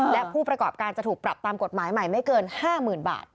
และผู้ประกอบการจะถูกปรับตามกฎหมายใหม่ไม่เกิน๕๐๐๐บาท